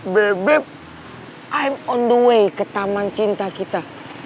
bebek i'm on the way ke taman cinta kita